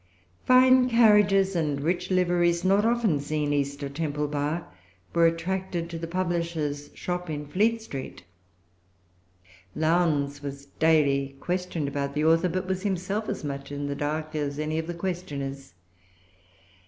Fine carriages and rich liveries, not often seen east of Temple Bar, were attracted to the publisher's shop in Fleet Street. Lowndes was daily questioned about the author, but was himself as much in the dark as any of the questioners.